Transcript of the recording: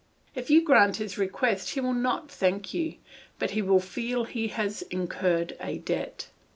If you grant his request he will not thank you, but he will feel he has incurred a debt.